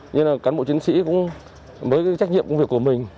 nhưng cán bộ chiến sĩ cũng mới trách nhiệm công việc của mình